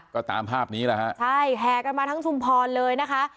ก็ตามภาพนี้แหกันมาทั้งชุมพรเลยนะคะ